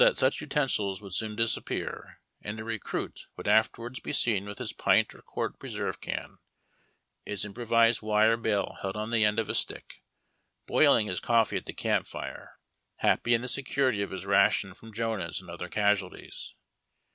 129 such utensils would soon disappear, and a recruit would afterwards be seen with his pint or <|uart preserve can, its improvised wire bail held on the end of a stick, boiling his coffee at the camp fire, happy in the security of his ration from Jonahs and other casualties.